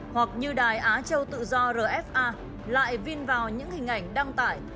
hoặc như đài á châu tự do rfa lại vinh vào những hình ảnh đăng tải